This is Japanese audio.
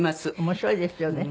面白いですよね。